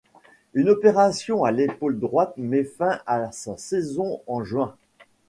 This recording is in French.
Une opération à l'épaule droite met fin à sa saison en juin.